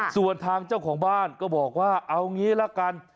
ส่วนทางเจ้าของบ้านก็บอกว่าเอางี้ละกัน